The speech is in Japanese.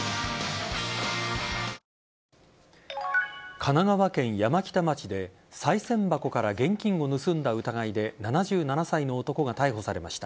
神奈川県山北町でさい銭箱から現金を盗んだ疑いで７７歳の男が逮捕されました。